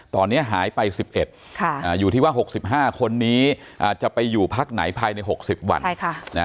ตอนนี้หายไป๑๑อยู่ที่ว่า๖๕คนนี้จะไปอยู่พักไหนภายใน๖๐วัน